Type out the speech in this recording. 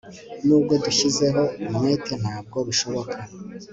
Nubwo dushyizeho umwete ntabwo bishoboka